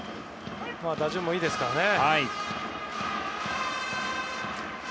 打順もいいですからね。